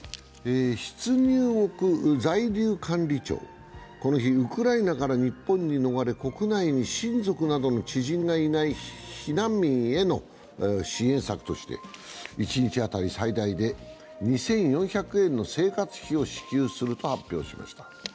出入国在留管理庁は、この日、ウクライナから日本に逃れ国内に親族などの知人がいない避難民への支援策として一日当たり最大で２４００円の生活費を支給すると発表しました。